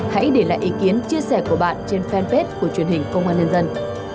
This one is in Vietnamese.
hãy để lại ý kiến chia sẻ của bạn trên fanpage của truyền hình công an nhân dân